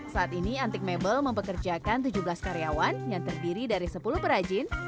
saat ini antik mebel mempekerjakan tujuh belas karyawan yang terdiri dari sepuluh perajin